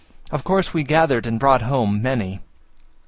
Of these we gathered and brought home many."